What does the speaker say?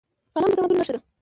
قلم د تمدن نښه ده.